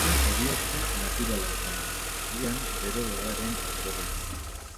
Dirudienez, heriotza naturala izan da, agian bero boladaren ondorioz.